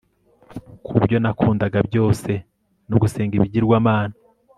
kubyo nakundaga byose no gusenga ibigirwamana